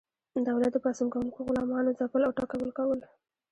دولت د پاڅون کوونکو غلامانو ځپل او ټکول کول.